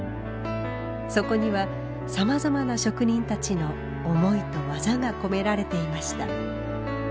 そこにはさまざまな職人たちの思いと技が込められていました。